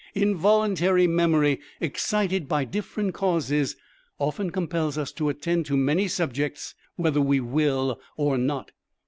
Involuntary memory excited by different causes often compels us to attend to many subjects whether we will or not.